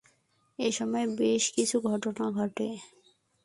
এসময় বেশ কিছু ঘটনা ঘটে।